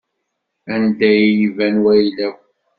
Anda i yi-iban wayla-w.